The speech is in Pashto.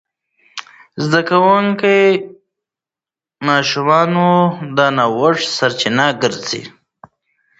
زده کوونکي ماشومان د نوښت سرچینه ګرځي.